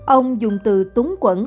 ông dùng từ tốn quận